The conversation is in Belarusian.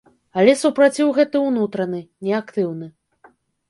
Але супраціў гэты ўнутраны, неактыўны.